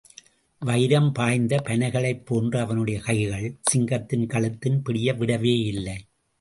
வயிரம் பாய்ந்த பனைகளைப் போன்ற அவனுடைய கைகள், சிங்கத்தின் கழுத்தின் பிடியை விடவேயில்லை.